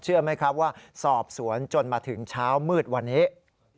ไหมครับว่าสอบสวนจนมาถึงเช้ามืดวันนี้